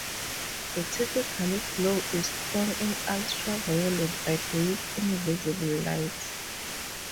The typical glow is strong in ultraviolet but weak in visible light.